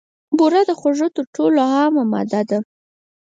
بوره د خوږو تر ټولو عامه ماده ده.